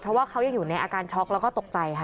เพราะว่าเขายังอยู่ในอาการช็อกแล้วก็ตกใจค่ะ